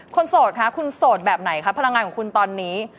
โสดคะคุณโสดแบบไหนคะพลังงานของคุณตอนนี้